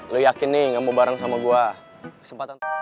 lo yakin nih gak mau bareng sama gue